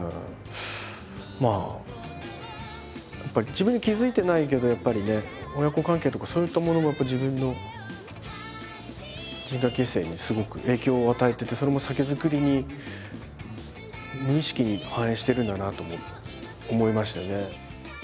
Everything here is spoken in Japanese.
まあやっぱり自分で気付いてないけどやっぱりね親子関係とかそういったものもやっぱり自分の人格形成にすごく影響を与えててそれも酒造りに無意識に反映してるんだなとも思いましたよね。